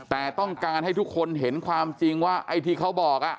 แต่ต้องการให้ทุกคนเห็นความจริงว่าไอ้ที่เขาบอก